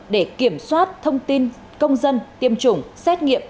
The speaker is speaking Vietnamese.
để kiểm soát thông tin công dân tiêm chủng xét nghiệm